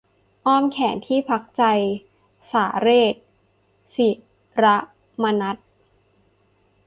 อ้อมแขนที่พักใจ - สาเรศ ศิระมนัส